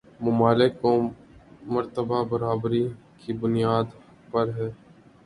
ممالک کو مرتبہ برابری کی بنیاد پر ہے